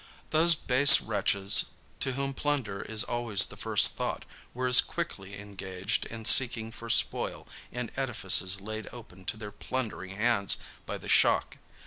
Those base wretches to whom plunder is always the first thought were as quickly engaged in seeking for spoil in edifices laid open to their plundering hands by the shock.